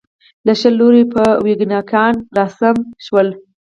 له شل لوري به ویکینګیان راسم شول.